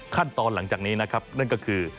ขั้นตอนหลังจากนี้นั่นก็คือ